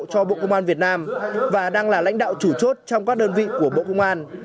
cho bộ công an việt nam và đang là lãnh đạo chủ chốt trong các đơn vị của bộ công an